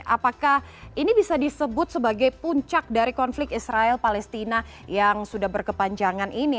apakah ini bisa disebut sebagai puncak dari konflik israel palestina yang sudah berkepanjangan ini